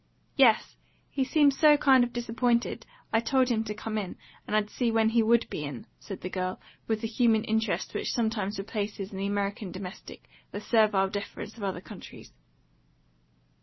"Yes. He seemed so kind of disappointed, I told him to come in, and I'd see when he WOULD be in," said the girl, with the human interest which sometimes replaces in the American domestic the servile deference of other countries.